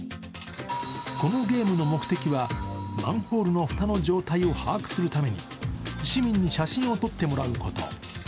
このゲームの目的は、マンホールの蓋の状態を把握するために市民に写真を撮ってもらうこと。